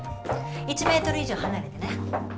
１ｍ以上離れてね。